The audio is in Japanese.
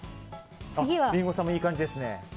リンゴさんもいい感じですね。